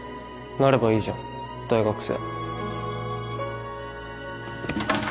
なればいいじゃん大学生